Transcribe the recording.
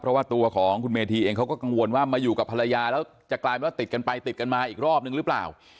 เพราะว่าตัวของคุณเมธีเองเขาก็กังวลว่ามาอยู่กับภรรยาแล้วจะกลายเป็นว่าติดกันไปติดกันมาอีกรอบนึงหรือเปล่า